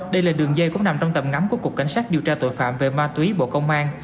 đây là đường dây cũng nằm trong tầm ngắm của cục cảnh sát điều tra tội phạm về ma túy bộ công an